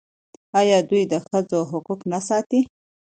آیا دوی د ښځو حقوق نه ساتي؟